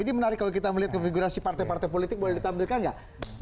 ini menarik kalau kita melihat konfigurasi partai partai politik boleh ditampilkan nggak